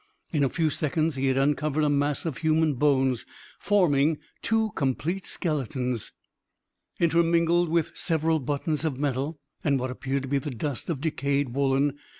In a few seconds he had uncovered a mass of human bones, forming two complete skeletons, intermingled with several buttons of metal, and what appeared to be the dust of decayed woollen.